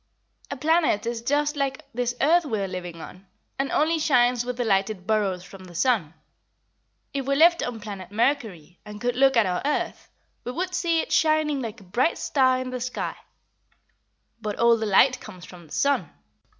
"A planet is just like this earth we are living on, and only shines with the light it borrows from the sun. If we lived on planet Mercury, and could look at our earth, we would see it shining like a bright star in the sky; but all the light comes from the sun."